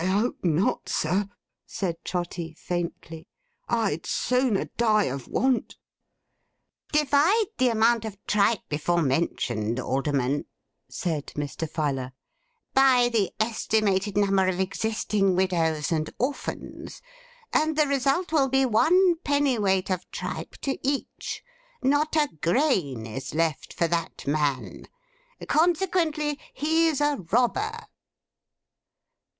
'I hope not, sir,' said Trotty, faintly. 'I'd sooner die of want!' 'Divide the amount of tripe before mentioned, Alderman,' said Mr. Filer, 'by the estimated number of existing widows and orphans, and the result will be one pennyweight of tripe to each. Not a grain is left for that man. Consequently, he's a robber.